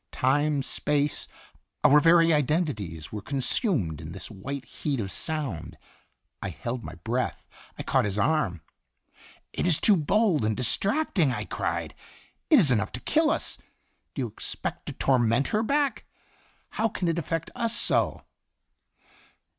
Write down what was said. Time, space, our very identities, were consumed in this white heat of sound. I held my breath. I caught his arm. "It is too bold and distracting," I cried. "It is enough to kill us! Do you expect to torment her back? How can it affect us so?"